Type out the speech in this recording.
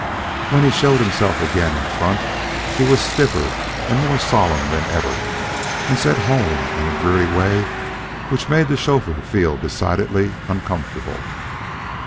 When he showed himself again in front, he was stiffer and more solemn than ever, and said 'Home,' in a dreary way which made the chauffeur feel decidedly uncomfortable.